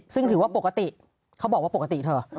ซึ่งถือว่าปกติเขาบอกว่าปกติเถอะ